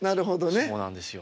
そうなんですよ。